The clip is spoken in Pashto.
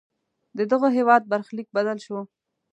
ددغه هېواد برخلیک بدل شو.